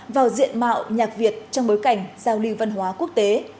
vào diện mạo nhạc việt trong bối cảnh giao lưu văn hóa quốc tế